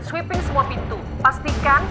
sweeping semua pintu pastikan